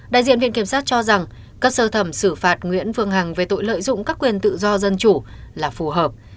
đại diện viện kiểm sát cho rằng các sơ thẩm xử phạt nguyễn phương hằng về tội lợi dụng các quyền tự do dân chủ là phù hợp